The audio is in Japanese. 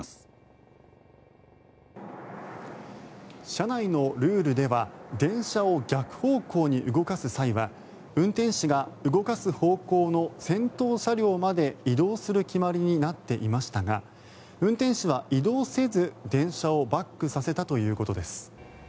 社内のルールでは電車を逆方向に動かす際は運転士が動かす方向の先頭車両まで移動する決まりになっていましたが運転士は移動せず電車をバックさせたということです。